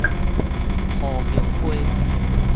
和平溪